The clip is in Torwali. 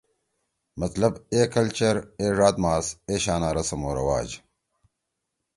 مطلب اے کلچر، اے ڙاد ماس، ایشانا رسم او رواج۔